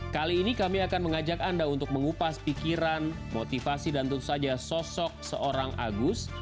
kali ini kami akan mengajak anda untuk mengupas pikiran motivasi dan tentu saja sosok seorang agus